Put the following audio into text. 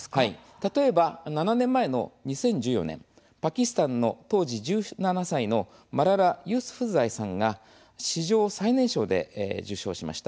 例えば７年前の２０１４年パキスタンの当時１７歳のマララ・ユスフザイさんが史上最年少で受賞しました。